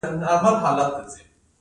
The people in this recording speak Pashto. د بسته بندۍ معیار لوړول پکار دي